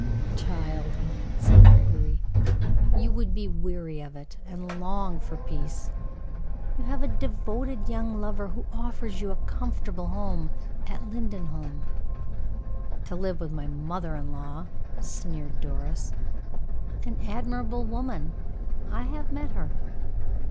"Child," said Gregory, "you would weary of it, and long for peace. You have a devoted young lover, who offers you a comfortable home at Lindenholm." "To live with my mother in law!" sneered Doris. "An admirable woman. I have met her."